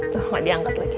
tuh gak diangkat lagi